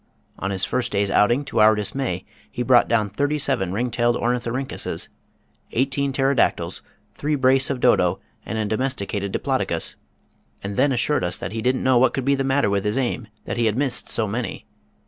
On his first day's outing, to our dismay he brought down thirty seven ring tailed ornithorhyncusses, eighteen pterodactyls, three brace of dodo, and a domesticated diplodocus, and then assured us that he didn't know what could be the matter with his aim that he had missed so many.